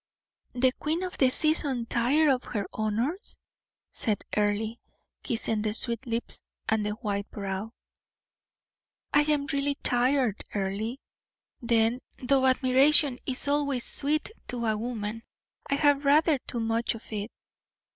"The queen of the season tired of her honors?" said Earle, kissing the sweet lips and the white brow. "I am really tired, Earle. Then, though admiration is always sweet to a woman, I have rather too much of it.